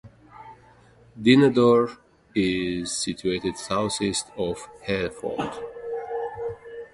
Dinedor is situated south east of Hereford.